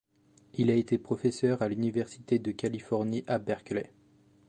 Il a été professeur à l'université de Californie à Berkeley.